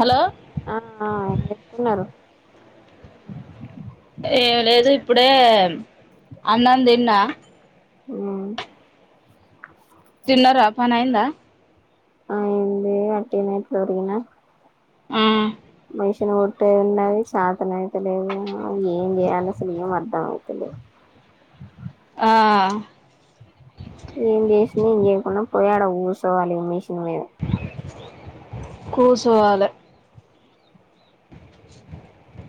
Hello ఆం చెప్పుకున్నారు ఏం లేదు ఇప్పుడే అన్నం తిన్నా మ్మ్ తీన్నరా పని అయిందా ఆ ఎంది అట్టనేట్లోరినా షన్ కొట్టే ఉన్నవి చతన అయితలేవు ఏం చేయాలి అసలు ఏం అర్ధం అయితలే ఆ ఏంచెస్ చి ఇంకు పోయ అడ ఊసవాలి మషన్ మీద కుసోవలే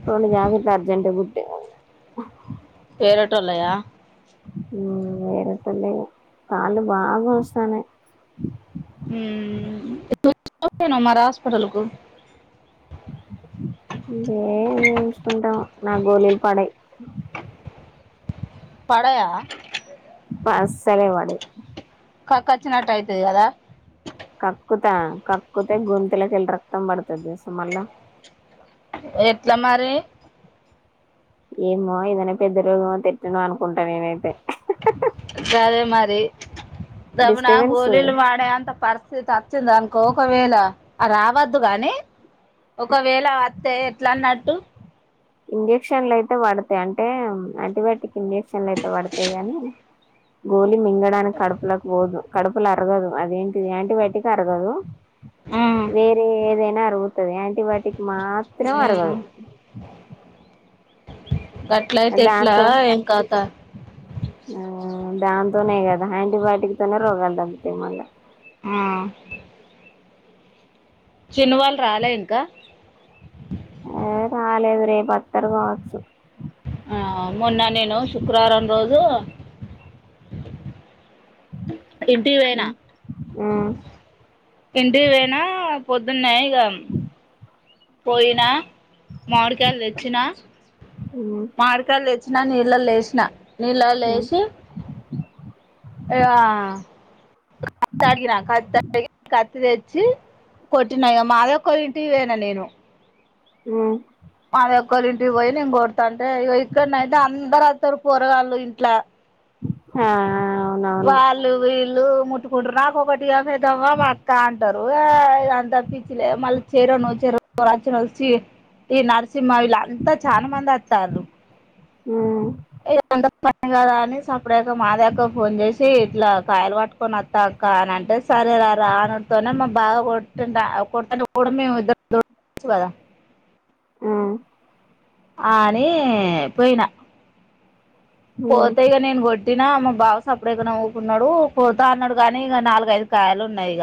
త ఇట్ అర్జెంట్ కుట్ట వేరటళయయా వేరటలే కాాల భాగ వసానాయి ార హాస్పిటల్ కు దే నేయించుకుంటాం నా గోళలు పడ పడయా సాల వాడ క కచ్చినట అయితుది కదా కక్కుతా కక్కుతే గుొంతులలకు వెళ్ళి రక్తం పడుతది తెల్సా మళ్ళా ఎట్లా మరి ఏమో ఏదైనా పెద్ద రోజుమో తిట్టన అనుకుంటాం ఏమైతే అదే మరి దమున డిస్టర్బెన్స్ గోళలు వాడే అంత పరిస్థితి వచ్చింది అనుకో ఒకవేళ రావద్దు గానీ ఒకవేళ వస్తే ఎట్లా అన్నట్టు ఇంజెక్షన్లు అయితే పడతాయి అంటే యాంటీబయాటిక్ ఇంజెక్షన్లు అయితే పడతాయి గానీ గోలి మింగడానికి కడుపులాక్ పోదు కడుపులు అరగదు అదేంటి యాంటీబయాటిక్ అరగదు ఉమ్ వేరే ఏదేనా అరుగు యాంటీబాటిక్ మాత్రం అరగదు అట్లా అయితే ఎట్లా దాంతో ఏం కథ ఆ దాంతోనే కదా యాంటీబయాోటిక్ తోనే రోగాలు తగ్గుతాయి మళ్ళీ ఆ చిన్నవాళ్ళు రాలే ఇంకా ఏ రాలేదు రేపు పతరు కావచ్చు ఆ మొన్న నేను శుక్రవారం రోజు ఇంటికి పోయినా ఉమ్ అ ఇంటికి పోయిన పొద్దునే పోయినా మార్కాయలు తెచ్చిన మ్మ్ మార్కాయలు తెచ్చి వచ్చినా నీళ్ళ లేసిన నీళ్ళ లే మ్మ్ వేసి అ కొట్టినయ మాదవక్క ఇంటివేనా నేను ఉమ్ మాది ఒక్కలి ఇంటికి పోయి నిం అంటే ఇక్కడన అయితే అందరుతారు పొరగాళ్ళు ఇంట్లో ఆ అవునవును వాాలు ఇ ముట్కు రాట్ స్విచ్ ఆఫ్ అయితదా మా అక్కా ట ర అంటా ఉంటారు ఈ పిచ్చిలే మళ్ళీ చెరను చెర వచ్చి ఈ నర్ సినిమా వీళ్ళ అంతా చాలా మంది వచ్చారు ఉమ్ పని కదా అని సప్పుడాయాక మాదక్క ఫోన్ చేసి ఇట్లా కాయలు పట్టుకొని వత్తాక్క అని అంటే సరే రా రా అనితోనే మా బాగా కొట్టి కొట్ట కూడా మేము ఇద్దరు ద కదా ఆ ఆని పోయినా మ్మ్ పోతే ఈగ నేన్ గట్ టీన మా బావస్ అప్పుడ నవ్వుకున్నాడు పోతా అన్నాడు కాగానీ ఇక నాలుగఐదు కాయలున్నా ఈగ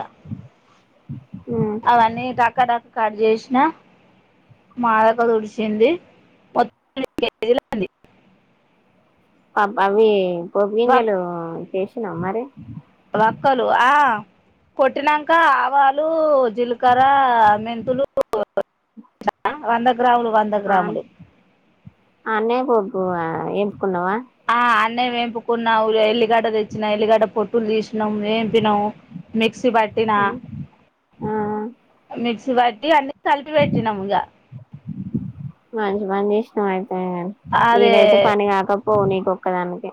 మ్మ్ అవన్నీ ట క టక చేసిం అ మదక తుడిచింది మొత్తం కేజీలంది అబ్బా అవి పూపు గింజలు చే నా మర వక్కలు ఆ కొట్టినంకా ఆవాలు. జీలకర్ర మెన్ వందకు ఆ అన్నే పో యా ఎం కున్నావా అన్ని వేంపుకున్నా ఎల్లిగడ్డ తెచ్చిన ఎల్లిగడ్డ పొట్టులు తీసు వేంపినం మిక్సీ పట్టినా ఆ మిక్స వట్టి అన్ని కలిపి వెట్టినం ఇగ మంచి పని చేశినవే ఉ అదే ఈడైతే పని కాకపోవునే ఒక్కదానికే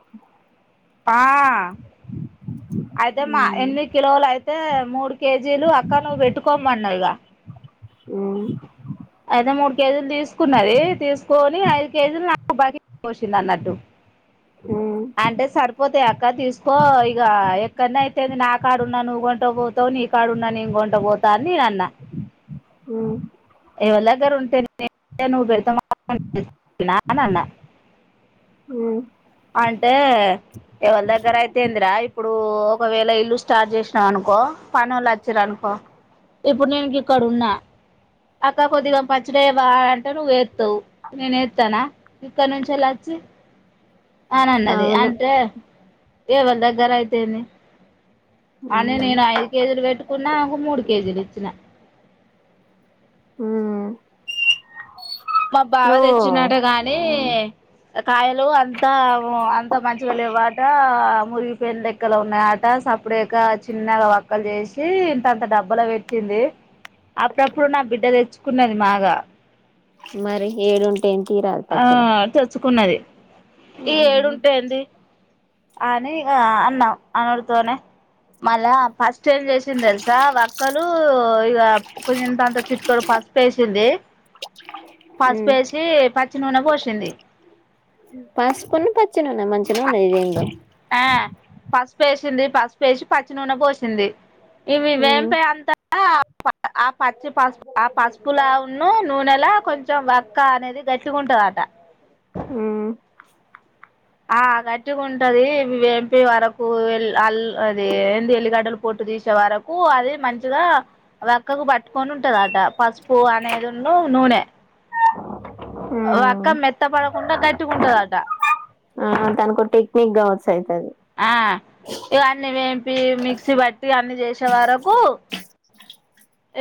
ఆ అయితే మా ఉమ్ ఎన్ని కిలోలు అయితే మూడు కేజీలు అక్క నువ్వు వెట్టుకోమన్నావ్ గ ఉమ్ అయితే మూడు కేజీలు తీసుకున్నది తీసుకొని ఐదు కేజీలు నాకు బ పోసింది అన్నట్టు ఉమ్ అంటే సరిపోతయా అక్క తీసుకో ఇగ ఎక్కన్నా అయితేంది నా కాడున్నా నువ్వు కొంట పోతావు నీ కాడ ఉన్నా నేను కొంట పోతా అని నేను అన్నా ఉ ఎవలదగ్గర ఉంటే నే నువ్వు పెడతా నాను అన్న ఉమ్ అంటే ఎవల్ దగ్గర అయితేందిరా ఇప్పుడు ఒకవేళ ఇల్లు స్టార్ట్ చేసి అనుకో పనోళ్లు వచ్ చ్చరనుకో ఇప్పుడు నేను గీక్కడ ఉన్నా అక్క కొద్దిగా పచ్చడి ఎయ్యవ అంటే నువ్వు ఎత్తవు నేను ఎత్తన ఇక్కడ నుంచలి వచ్చి. అని అన్నది అవును అంటే ఏవని దగ్గర అయితేంది అని ఉమ్ నేను ఐదు కేజీలు పెట్టుకున్నా ఒక మూడు కేజీలు ఇచ్చినా ఉ మా బావ తెచ్చినట్ట గానీ కాయలు అంతా అంతా మంచిగా లేవట మురిగి పెం లెక్కలు ఉన్నాయి అట సప్పుడేక చిన్నగా వక్కలు చేసి ఇంతంత డబ్బలో పెట్టింది అప్పుడప్పుడు నా బిడ్డ తెచ్చుకున్నది మాగా మరి ఏడుంటు టన్ తీరాదు పచ్చడ చ్చుకున్నది ఈ ఏడుంటాయి అండి అనీ ఆ అన్నా అనడుతోనే మళ్ళా ఫస్ట్ చేంజ్ చేశింది తెల్సా వా మక్కలూ ఇగా కొంచ ఇంతాంత చిటికెడు పసుపు ఏషిందీ ఉమ్ పసుపేశీ పచ్చి నూనె పోశిందీ. చి నూనె ఎయ్యంగ ఆ పస్పేసింది పసుపేశి పచ్చి నూనె పోశింది ఇవి ఉమ్ వేంపే అంత ఆ ఆ పచ్చిపసుప్ ఆ పసుపులా ఉన్నూ నూనెలా కొంచెం వక్కా అనేది గట్టికుంటుందట. ఉమ్ ఆ గట్టిగ ఉంటదీ ఇవి వేంపే వరకూ ఎల్ అల్ అదీ ఏంది ఎల్లిగడ్డలు పొట్టు తీశే వరక్ ఉప్పు అది మంచిగా వక్కకు పట్టుకొని ఉంటందట పసుపు అనేది ఉన్నూ నూనే. అ హ్మ మెత్తపడకుండా గట్టిగా ఉంటదట ఆ తనకుట్టీ మీగ్గావచ్చు ఆ ఇవన్నీ వేంపీ మిక్సీ పట్టి అన్నీ చేశ్ చ్చేవరకూ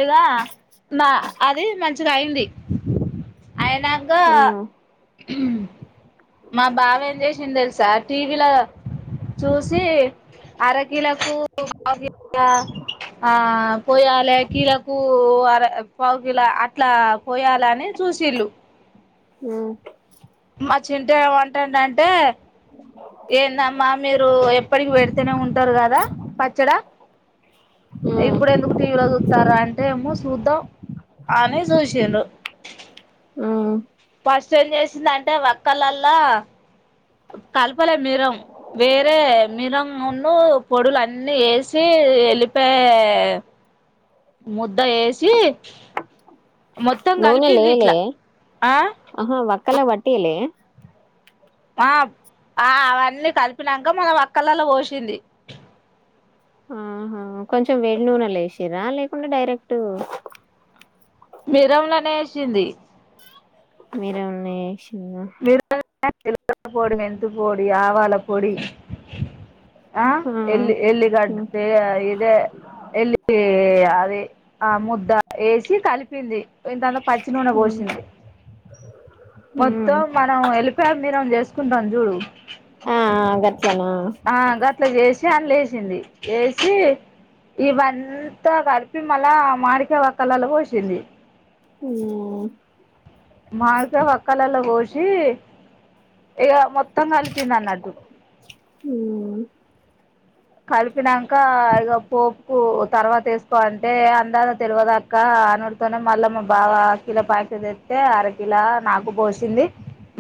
ఇగా మా అది మంచిగా అయింది అయినాంకా హ్మ మా బావ ఏం చేశిండ్ తెలుసా టీవీలా చూస్ సీ అరకిలోకూ పావు [inaudible] ఆ పోయాలే కిలోకు కూ అర పావుకిలా అట్లా పోయాలని చూసిళ్ళు. ఉ మా చింట్ ఏమంటాండ్ అంటే ఏందమ్మా మీరూ ఎప్పటికి పెడితనే ఉంటరు కదా పచ్చడా, ఇప్పుడు ఎందుకు టీవీలో చూత్తార్ అంటే ఏమో చూద్దాం అని చూశిండ్రు. ఆ ఫస్ట్ ఏం చేసిందంటే వక్కల్లలా కలపలే మిరం వేరే మిరం నున్నూ పొడులు అన్నీ ఏసీ వెళ్ళిపాయే ముద్ద ఏశీ నూనే లెయ్యలే ఆ ఆహా వక్ క్కలక్ పట్టియ్యలే ఆ ఆ అవన్నీ కలిపినాంకా మళ్ళ వక్కల్లలా పోశింది ఆహా కొంచెం వేడి నూనెల ఏశిర్రా లేకుండ డైరెక్టూ మిరంలోనే ఏశింది మీరే ఉన్నీ అ [unintelligible] పొడి మెంతి పొడి ఆవాల పొడి ఆ ఎల్లి ఎల్లిగడ్ దే ఆ ఇదే ఎల్లి అది ఆ ముద్ద ఏసి కలిపింది ఇంతంత పచ్చి నూనె పోసింది మో తో మనం ఎళ్లిపాయ మిరం చేస్ కుంటం చూడు ఆ గట్లనా ఆ గట్ల చేసి అన్ లేసింది ఏసీ చ్చి ఇవంతా కలిపి మళ్ళ మాడికాయ వక్కలల పోసింది ఉ మామిడికాయ వక్కలల పోసి చ్చి ఇగ మొత్తం కలిపింది అన్నట్టు ఉ కలిపి తిన్నాంక ఇగ పోపుకు తర్వాత వేసుకోవాలంటే అందాదా తెల్వదు అక్కా అని అనుడుతోనే మళ్ళ మా బావ కిలో ప్యాకెట్ తెస్తే అరకిిల నాకు పోసింది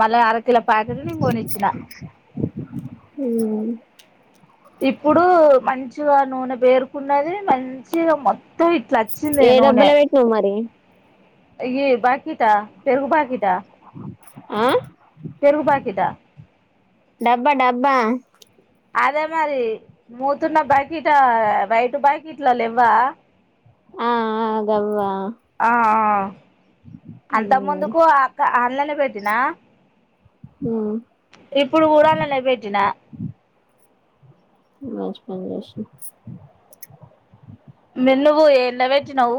మళ్ళా అర కిల ప్యాకెట్ నేను కొనిచ్చిన ఇప్పుడు మంచిగా నూనె వేరు ఉన్నది మంచిగా మొత్తం ఇట్లా వచ్చింది ఏ డబ్బలు పెట్టినవ్ మరి యి బాకీటా పెరుగు బాకీటా ఆ పేరుగు బకీటా డబ్బా డబ్బా అదే మరి మూతున్న బకిటా వైట్ బకిట్ల లెవ్వా ఆ అదవ్వ ఆఆ అంతకు ముందుకు అక్క ఆ అళ్ళనే వెట్టినా ఇప్పుడు ఊరళ్ళనే పెట్టినా మంచిపని జెష్నావ్ మిన్నువు ఎండ్ల వేట్టినవ్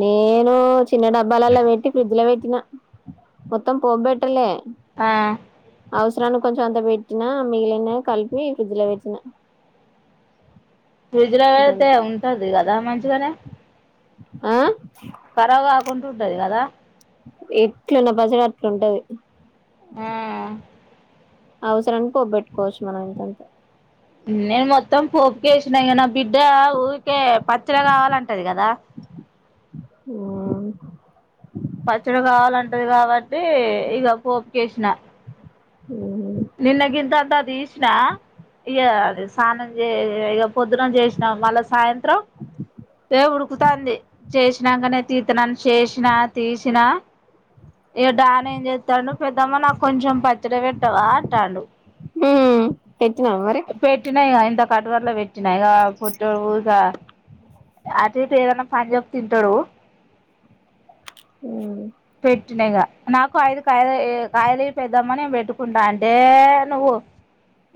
నేనూ చిన్న డబ్బాలల పెట్టి ఫ్రిడ్జ్ ల పెట్టి ిన మొత్తం పోబెట్టలే ఆ అవసరాన్ని కొంచెం అంత పెట్టినా మిగిలినా కలిపి ఫ్రిడ్జ్ లో పెట్టిా ఫ్రిడ్జ్ లో పెడితే ఉంటది కదా మంచి చిగానే ఆ కరాగాబుకాకుంటా ఉంటది కదా ఎట్లున్న పచ్చడా అట్ల ఉంటది ఆ అవసరనికి పోబెట్టుకోవచ్చు మనం ఇంతంతే నేను మొ మొత్తం పోపుక వేసినా ఇగ నా బిడ్డ ఊరికే పచ్చడి కావాలంటది కదా ఆ టది కాబట్టి ఇగా పోపుకేసిన నిన్న గింత అంత దీష్ చ్చిన ఇక అది స్నానం చే ఇక పొద్దున చేసినా మళ్ళా సాయంత్రం ఉడుకుతంది చేసినాకనే తీతన్నాను చేసినా తీసినా ఇగా డాని ఏం చేస్తాను పెద్దమ్మ నాకు కొంచెం పచ్చడి పెట్టావా ట్టాడుు ఉ పెట్నా ఇగా ఇంత కటువారుల పెట్టినాయి ఫరు అది అటు ఎటు ఏమన్నా పని చెప్తే వింటాడు ఉ పెట్టిన ఇగ నాకు ఏయిదు కాయలు కాయాలిపేదమ్మా నే పెట్టుకుంటా అంటే నువ్వు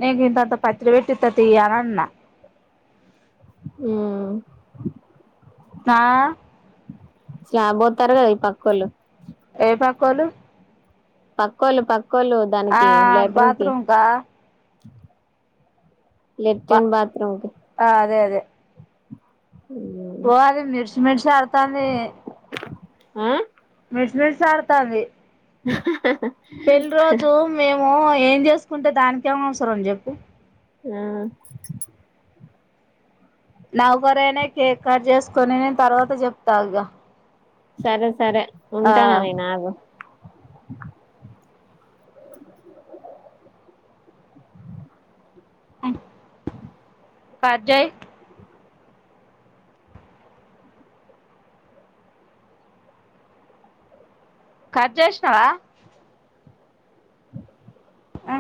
నీకు ఇంతంత పచ్చడపెట్టిఇతతి అని అన్న హు దా స్లాబ్ పోదతర్రు కదా ఈ పక్కోలు ఏ పక్కోల్లు పక్కొల్లు పక్ ఆ బాత్రూమ్ కా అ బా లెట్రిన్ బాత్రూం కి అదే అదే అ మీడిషి అడతాంది ఆ మీడిషి మీడిషి ఆడతంది ఆ ఆ ఆ పెళ్లిిరోజు మేము ము ఏం చేసుకుంటే దానికేం అవసరం చెప్పు ఆ నౌకరేనె కేక్ కట్ చేసుకుని నేను తర్వాత చెప్తా ఇగ సరే సరే ఆ ఉంటానా నే ను ఆగు అ కట్జయ్ కట్ జెషనవ ఆ